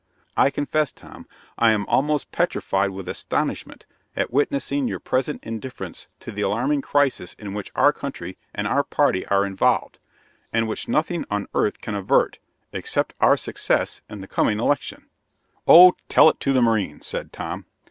I confess Tom, I am almost petrified with astonishment at witnessing your present indifference to the alarming crisis in which our country and our party are involved, and which nothing on earth can avert, except our success at the coming election." "Oh, tell that to the marines," said Tom.